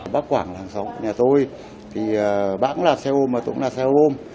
bác quảng là hàng xóm của nhà tôi thì bác cũng là xe ôm và tôi cũng là xe ôm